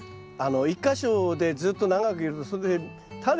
１か所でずっと長くいるとそれでタネがですね。